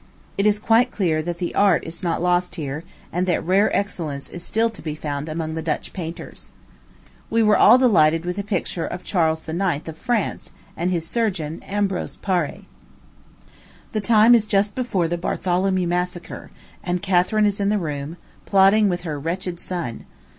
It is quite clear that the art is not lost here, and that rare excellence is still to be found among the Dutch painters. We were all delighted with a picture of Charles IX. of France, and his surgeon, Ambrose Paré. The time is just before the Bartholomew massacre; and Catharine is in the room, plotting with her wretched son.